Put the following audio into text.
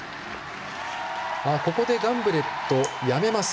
ここでガンブレット、やめます。